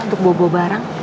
untuk bawa bawa barang